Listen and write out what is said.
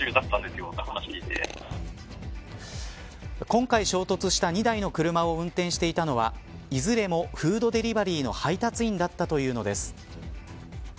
今回、衝突した２台の車を運転していたのはいずれもフードデリバリーの配達員だったというのです。